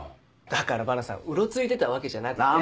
だからバナさんうろついてたわけじゃなくて。